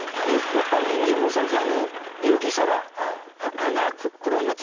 やっぱり人間もそうでしょ？